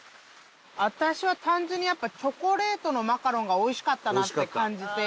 私は単純にやっぱチョコレートのマカロンがおいしかったなって感じて。